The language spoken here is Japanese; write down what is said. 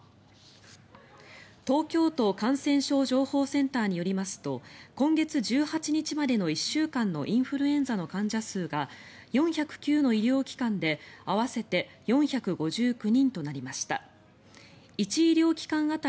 東京都感染症情報センターによりますと今月１８日までの１週間のインフルエンザの患者数が４０９の医療機関で合わせて４５９人となりました。